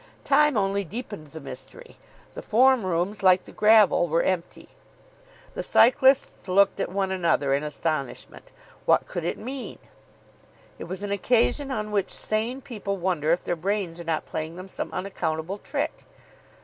Time only deepened the mystery. The form rooms, like the gravel, were empty. The cyclists looked at one another in astonishment. What could it mean? It was an occasion on which sane people wonder if their brains are not playing them some unaccountable trick.